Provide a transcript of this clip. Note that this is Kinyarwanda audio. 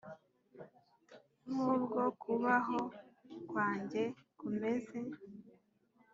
nk’ubwo kubaho kwanjye kumeze